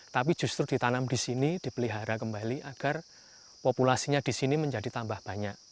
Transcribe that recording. tapi justru ditanam di sini dipelihara kembali agar populasinya di sini menjadi tambah banyak